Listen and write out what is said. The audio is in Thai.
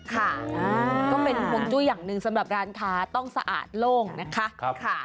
ค่ะก็เป็นห่วงจุ้ยอย่างหนึ่งสำหรับร้านค้าต้องสะอาดโล่งนะคะ